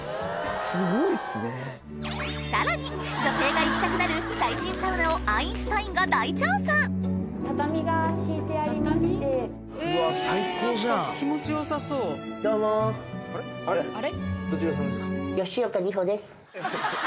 さらに女性が行きたくなる最新サウナをアインシュタインが大調査・畳が敷いてありまして・あれ？